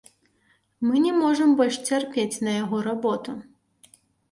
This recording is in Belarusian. Мы не можам больш цярпець на яго работу.